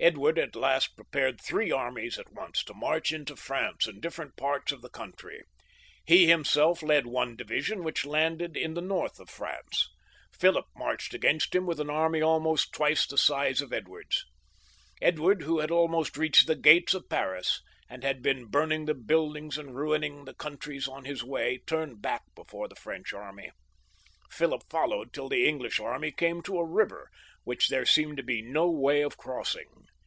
Edward at last prepared three armies at once to march into France in different parts of the country. He himself led one divi sion, which landed in the north of France, Philip marched against him with an army about twice the size of Edward's. Edward, who had almost reached the gates 160 PHILIP VI, [CH. of Paris, and had been burning the buildings and ruining the countries on his way, turned back before the French army. Philip followed till the English army came to a river, which there seemed to be no way of crossing.